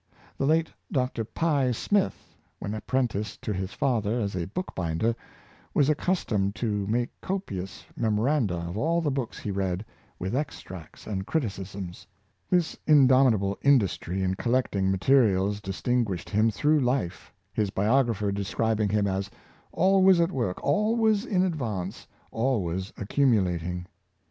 The late Dr. Pye Smith, when apprenticed to his father as a bookbinder, was accustomed to make copious memoranda of all the books he read, with extracts and criticisms. This indomitable industry in collecting ma terials distinguished him through life, his biographer describing him as "always at work, always in advance, always accumulating."